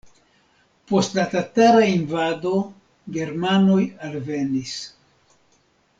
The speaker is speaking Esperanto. Post la tatara invado germanoj alvenis.